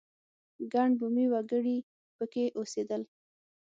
ګڼ بومي وګړي په کې اوسېدل.